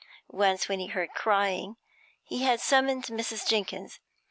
Once, when he heard crying he had summoned Mrs. Jenkins.